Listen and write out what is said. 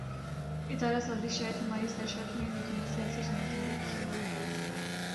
ادارہ سازی شاید ہماری سرشت میں نہیں سیاسی جماعتیں دیکھیے